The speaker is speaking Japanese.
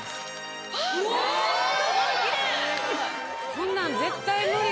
こんなん絶対無理！